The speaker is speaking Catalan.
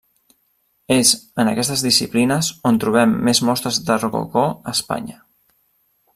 És en aquestes disciplines on trobem més mostres de rococó a Espanya.